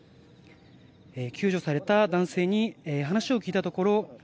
救助された男性に話を聞いたところ